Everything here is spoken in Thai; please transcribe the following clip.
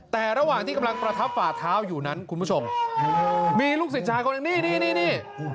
แต่ระหว่างที่กำลังประทับฝ่าเท้าอยู่นั้นคุณผู้ชมมีลูกศิษย์ชายคนหนึ่งนี่นี่